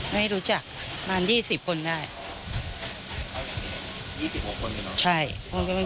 ไม่รู้จักประมาณยี่สิบคนได้ยี่สิบหกคนเลยเนอะใช่